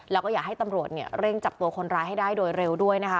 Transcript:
แล้วก็อยากให้ตำรวจเร่งจับตัวคนร้ายให้ได้โดยเร็วด้วยนะคะ